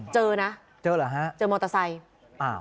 เจอนะเจอเหรอฮะเจอมอเตอร์ไซค์อ้าว